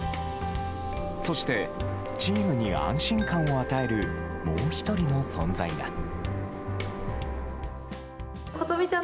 そしてチームに安心感を与えるもう１人の存在が。